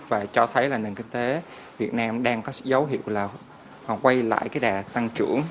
và cho thấy là nền kinh tế việt nam đang có dấu hiệu là quay lại cái đà tăng trưởng